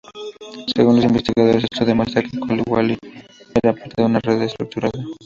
Según los investigadores, esto demuestra que Coulibaly era parte de una red estructurada.